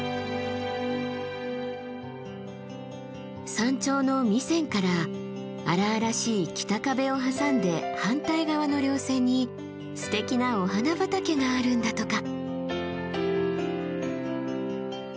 山頂の弥山から荒々しい北壁を挟んで反対側の稜線にすてきなお花畑があるんだとか。